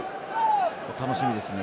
楽しみですね。